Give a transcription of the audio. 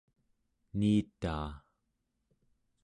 niitaa